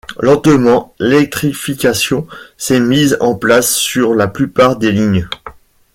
Lentement, l'électrification s'est mise en place sur la plupart des lignes.